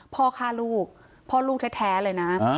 พ่อฆ่าลูกพ่อลูกแท้เลยนะ